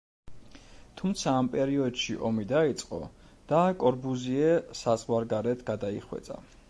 თუმცა ამ პერიოდში ომი დაიწყო და კორბუზიე საზღვარგარეთ გადაიხვეწა.